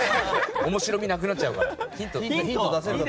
面白味なくなっちゃうから。